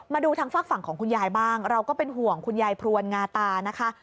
มาดูทางฝากฝั่งของคุณยายบ้างเราก็เป็นห่วงคุณยายพรวนงาตานะคะ